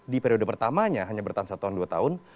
di periode pertamanya hanya bertahun tahun dua tahun